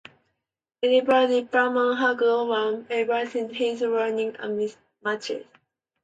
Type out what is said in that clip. Even Diaper Man had grown up, evidenced by his wearing a mustache.